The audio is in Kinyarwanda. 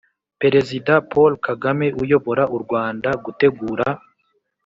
perezida paul kagame uyobora u rwanda gutegura,